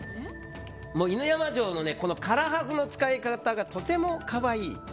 犬山城の唐破風の使い方がとても可愛い。